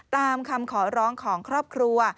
ตามคำขอร้องของครอบครัว